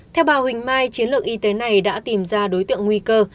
theo bà huỳnh mai chiến lược y tế này đã tìm ra đối tượng nguy cơ